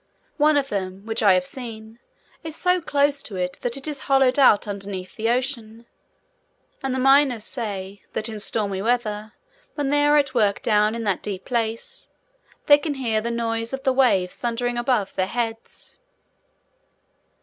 One of them, which I have seen, is so close to it that it is hollowed out underneath the ocean; and the miners say, that in stormy weather, when they are at work down in that deep place, they can hear the noise of the waves thundering above their heads.